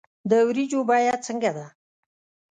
د ورجو بیه څنګه ده